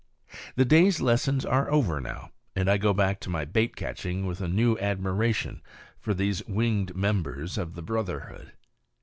The day's lessons are over now, and I go back to my bait catching with a new admiration for these winged members of the brotherhood.